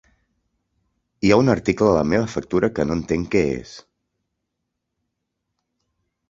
Hi ha un article a la meva factura que no entenc què és.